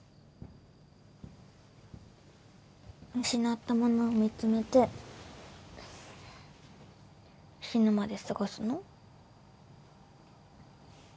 失ったものを見つめて死ぬまで過ごすの？